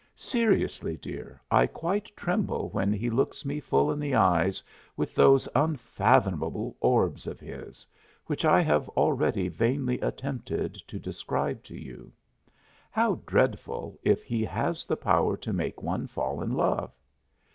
Seriously, dear, I quite tremble when he looks me full in the eyes with those unfathomable orbs of his, which I have already vainly attempted to describe to you. How dreadful if he has the power to make one fall in love!